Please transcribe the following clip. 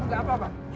kamu gak apa apa